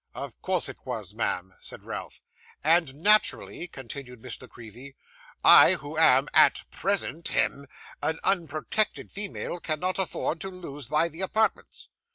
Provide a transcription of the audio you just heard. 'Of course it was, ma'am,' said Ralph. 'And naturally,' continued Miss La Creevy, 'I who am, AT PRESENT hem an unprotected female, cannot afford to lose by the apartments.